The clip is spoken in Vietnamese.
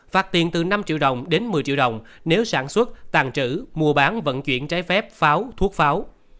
phạt tiền từ năm triệu đồng đến một mươi triệu đồng nếu sản xuất tàn trữ mua bán vận chuyển trái phép pháo thuốc pháo